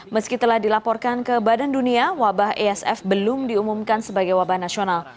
meski telah dilaporkan ke badan dunia wabah esf belum diumumkan sebagai wabah nasional